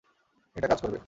এটা কাজ করবে।